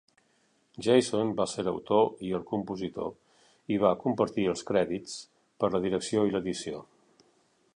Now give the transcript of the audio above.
Jason va ser l'autor i el compositor i va compartir els crèdits per la direcció i l'edició.